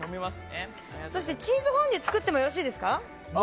そして、チーズフォンデュを作ってもよろしいですか？